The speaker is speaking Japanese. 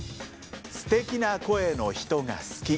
「すてきな声の人が好き」。